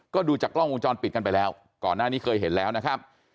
ก็ดูจากกล้องวงจรปิดกันไปแล้วก่อนหน้านี้เคยเห็นแล้วนะครับ